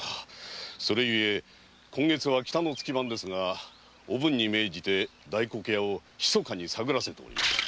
それゆえ今月は北の月番ですがおぶんに命じて大黒屋を密かに探らせております。